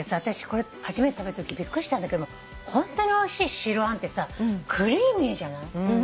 私これ初めて食べたときびっくりしたんだけどもホントにおいしい白あんってさクリーミーじゃない？